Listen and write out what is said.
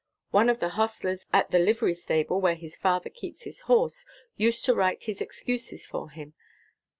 One of the hostlers at the livery stable, where his father keeps his horse, used to write his excuses for him.